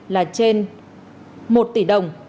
là trên một tỷ đồng